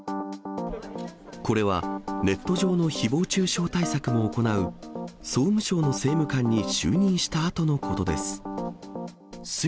これはネット上のひぼう中傷対策を行う、総務省の政務官に就任したあとのことです。